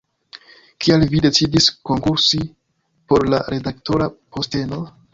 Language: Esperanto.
Kial vi decidis konkursi por la redaktora posteno?